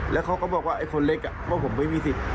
แล้วเขาก็บอกว่าคนเล็กผมไม่มีสิทธิ